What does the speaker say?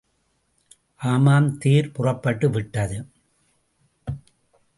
ஆமாம், தேர் புறப்பட்டுவிட்டது.